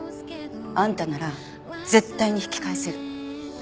あんたなら絶対に引き返せる。